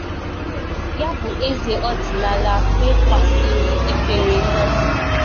ya bụ eze ọdịnala kpekwazịrị ekpere ngọzị